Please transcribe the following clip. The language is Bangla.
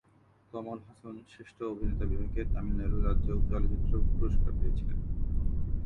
কমল হাসন শ্রেষ্ঠ অভিনেতা বিভাগে তামিলনাড়ু রাজ্য চলচ্চিত্র পুরস্কার পেয়েছিলেন।